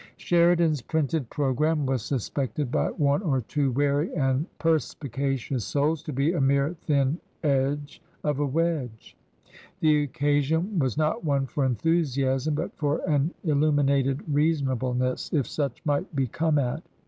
Sheridan's printed Programme was suspected by one or two wary and per spicacious souls to be a mere thin edge of a wedge. The 19* 222 TRANSITION. occasion was not one for enthusiasm but for an illu minated reasonableness, if such might be come at.